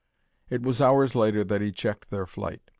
It was hours later that he checked their flight.